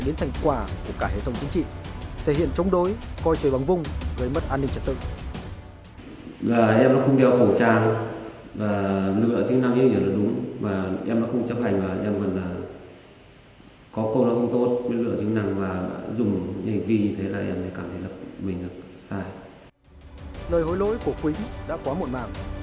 lời hối lỗi của quỳnh đã quá muộn màng